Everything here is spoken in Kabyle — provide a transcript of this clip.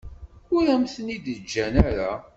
Ur am-ten-id-ǧǧan ara.